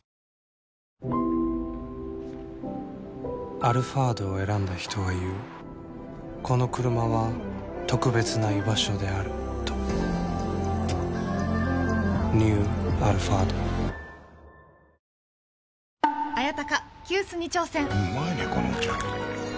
「アルファード」を選んだ人は言うこのクルマは特別な居場所であるとニュー「アルファード」きたきた！